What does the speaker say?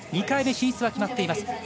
２回目進出は決まっています。